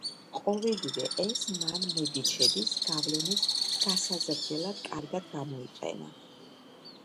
ყოველივე ეს მან მედიჩების გავლენის გასაზრდელად კარგად გამოიყენა.